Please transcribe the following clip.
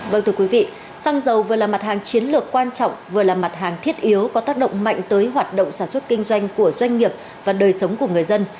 vâng thưa quý vị xăng dầu vừa là mặt hàng chiến lược quan trọng vừa là mặt hàng thiết yếu có tác động mạnh tới hoạt động sản xuất kinh doanh của doanh nghiệp và đời sống của người dân